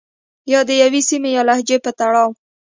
يا د يوې سيمې يا لهجې په تړاو